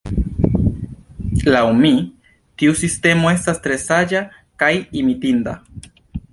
Laŭ mi, tiu sinteno estas tre saĝa kaj imitinda.